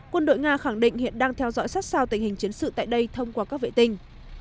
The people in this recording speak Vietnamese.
quân đội nga khẳng định hiện đang theo dõi sát sao tình hình chiến sự tại đây thông qua các vệ tinh